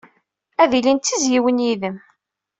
Ad ilint d tizzyiwin yid-m.